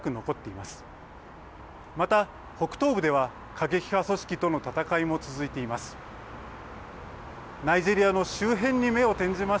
また北東部では過激派組織との戦いも続いています。